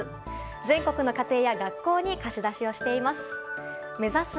全国の家庭や学校に貸し出しをしています。